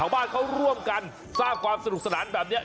บ้านเขาร่วมกันสร้างความสนุกสนานแบบนี้